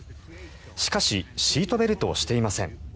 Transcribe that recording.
しかしシートベルトをしていません。